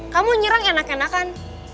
kamu nyerang enak enakan